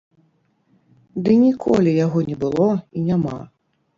Ды ніколі яго не было і няма!